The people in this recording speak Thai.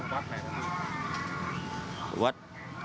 อ๋อวัดไหนครับพี่